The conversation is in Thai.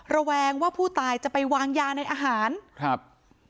ระแวงว่าผู้ตายจะไปวางยาในอาหารครับ